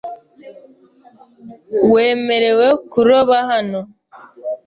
Wemerewe kuroba hano?